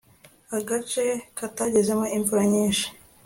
agace katagezemo imvura nyinshi